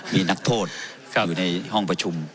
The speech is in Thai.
มีนักโทษอยู่ในห้องประชุม